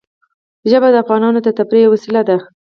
ژبې د افغانانو د تفریح یوه وسیله ده.